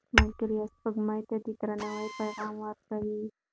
ملکیار سپوږمۍ ته د درناوي پیغام ورکوي.